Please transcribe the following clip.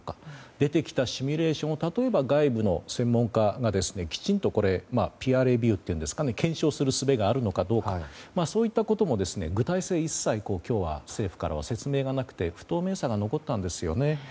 出てきたシミュレーションを例えば外部の専門家がきちんと検証するすべがあるのかどうかそういったことも具体性は一切今日は政府から説明がなくて不透明さが残ったんですよね。